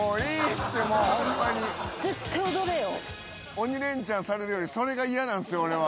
鬼レンチャンされるよりそれが嫌なんすよ俺は。